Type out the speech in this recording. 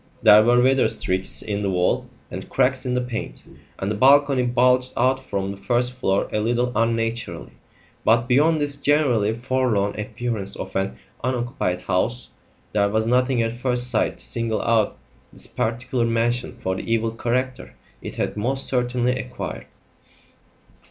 There were weather streaks in the wall and cracks in the paint, and the balcony bulged out from the first floor a little unnaturally. But, beyond this generally forlorn appearance of an unoccupied house, there was nothing at first sight to single out this particular mansion for the evil character it had most certainly acquired.